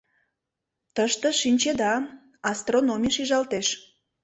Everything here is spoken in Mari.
Тыште, шинчеда, астрономий шижалтеш.